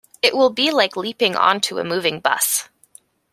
It will be like leaping on to a moving bus.